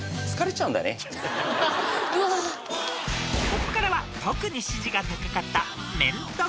［ここからは特に支持が高かった］